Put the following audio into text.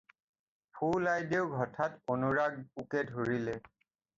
ফুল আইদেওক হঠাৎ অনুৰাগ পোকে ধৰিলে।